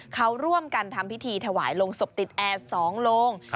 เขาร่วมกันทำพิธีถวายลงศพติดแอร์๒โลง